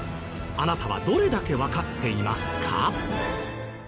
あなたはどれだけわかっていますか？